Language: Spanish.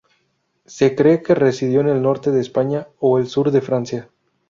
Se cree que residió en el norte de España o el sur de Francia.